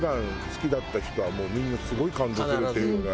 好きだった人はもうみんな「すごい感動する」って言うよね。